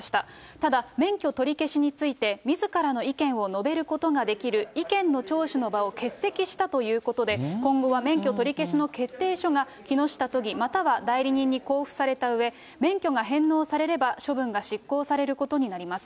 ただ、免許取り消しについて、みずからの意見を述べることができる意見の聴取の場を欠席したということで、今後は免許取り消しの決定書が木下都議、または代理人に交付されたうえ、免許が返納されれば、処分が執行されることになります。